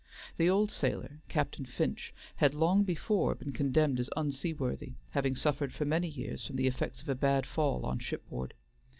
The old sailor, Captain Finch, had long before been condemned as unseaworthy, having suffered for many years from the effects of a bad fall on shipboard.